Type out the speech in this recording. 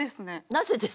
なぜですか？